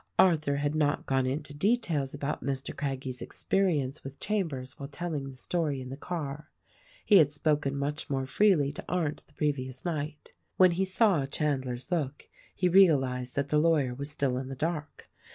Arthur had not gone into details about Mr. Craggie's experience with Chambers while telling the story in the car. He had spoken much more freely to Arndt the previous night. When he saw Chandler's look he realized that the lawyer was still in the dark.